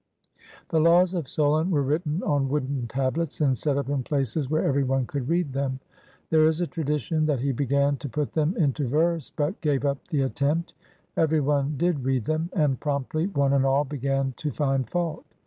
The laws of Solon were written on wooden tablets and set up in places where every one could read them. There is a tradition that he began to put them into verse, but gave up the attempt. Every one did read them; and promptly one and all began to find fault.